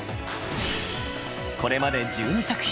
これまで１２作品。